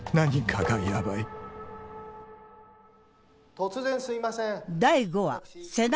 ・突然すいません。